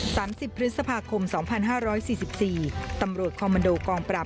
สามสิบพฤษภาคมสองพันห้าร้อยสี่สิบปี